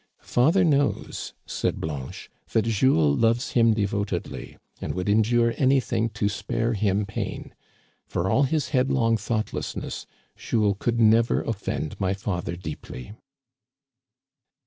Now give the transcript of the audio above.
"Father knows," said Blanche, " that Jules loves him devotedly, and would endure anjrthing to spare him pain. For all his headlong thoughtlessness, Jules could never offend my father deeply."